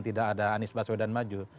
tidak ada anies baswedan maju